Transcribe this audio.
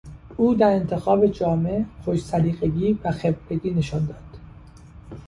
او در انتخاب جامه خوش سلیقگی و خبرگی نشان داد.